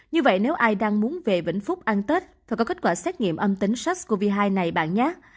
như vậy nếu ai đang muốn về vĩnh phúc ăn tết phải có kết quả xét nghiệm âm tính sars cov hai này bạn nhát